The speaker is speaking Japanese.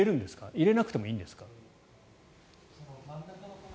入れなくてもいいんですか？